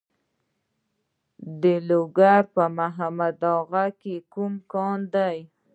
د لوګر په محمد اغه کې کوم کان دی؟